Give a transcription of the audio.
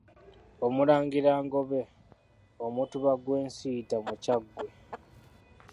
Omulangira Ngobe, Omutuba gw'e Nsiita mu Kyaggwe.